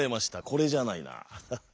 これじゃないな。